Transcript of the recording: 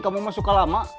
kamu mah suka lama